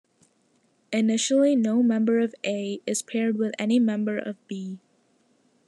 Initially no member of "A" is paired with any member of "B".